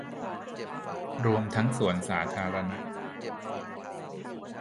รวมทั้งสวนสาธาณะ